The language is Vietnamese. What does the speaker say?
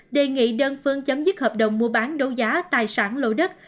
đề nghị đơn phương chấm dứt hợp đồng mua bán đấu giá tài sản lô đất